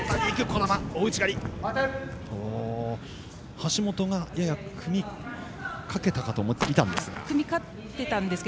橋本が組みかけたかと思っていたんですが。